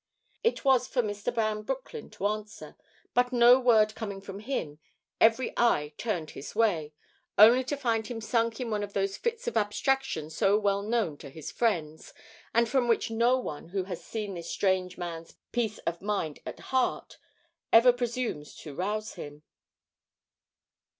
It was for Mr. Van Broecklyn to answer, but no word coming from him, every eye turned his way, only to find him sunk in one of those fits of abstraction so well known to his friends, and from which no one who has this strange man's peace of mind at heart ever presumes to rouse him.